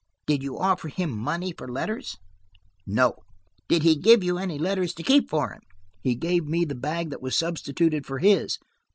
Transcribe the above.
"Did you offer him money for letters?" "No." "Did he give you any letters to keep for him?" "He gave me the bag that was substituted for his."